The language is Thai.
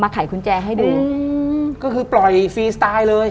ก็คือปล่อยฟรีสไตล์เลย